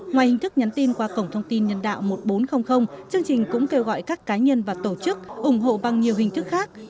ngoài hình thức nhắn tin qua cổng thông tin nhân đạo một nghìn bốn trăm linh chương trình cũng kêu gọi các cá nhân và tổ chức ủng hộ bằng nhiều hình thức khác